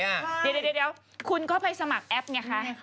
เดี๋ยวคุณก็ไปสมัครแอปไงคะ